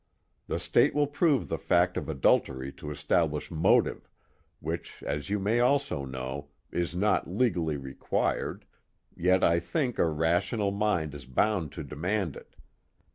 The State will prove the fact of adultery to establish motive which, as you may also know, is not legally required, yet I think a rational mind is bound to demand it.